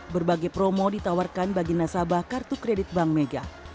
berbagai promo ditawarkan bagi nasabah kartu kredit bank mega